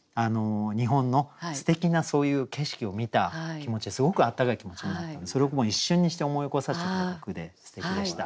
日本のすてきなそういう景色を見た気持ちすごく温かい気持ちになったのでそれを一瞬にして思い起こさせてくれた句ですてきでした。